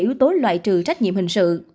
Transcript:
yếu tố loại trừ trách nhiệm hình sự